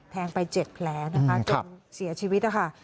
แทงไป๗แผลนะคะจนเสียชีวิตนะคะ